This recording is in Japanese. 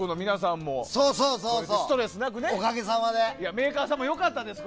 メーカーさんもよかったです。